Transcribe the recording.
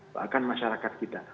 doakan masyarakat kita